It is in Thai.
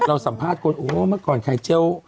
สัมภาษณ์คนโอ้เมื่อก่อนไข่เจี๊ยว